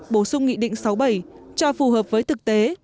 bổ sung nghị định sáu bảy cho phù hợp với thực tế